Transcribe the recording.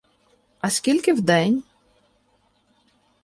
А скільки в день?